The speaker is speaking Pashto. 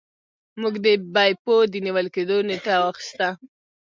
موږ د بیپو د نیول کیدو نیټه واخیسته.